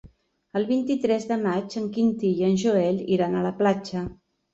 El vint-i-tres de maig en Quintí i en Joel iran a la platja.